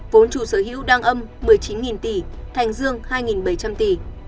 vốn chủ sở hữu đang âm một mươi chín tỷ thành dương hai bảy trăm linh tỷ